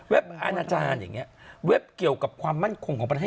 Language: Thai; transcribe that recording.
อาณาจารย์อย่างนี้เว็บเกี่ยวกับความมั่นคงของประเทศ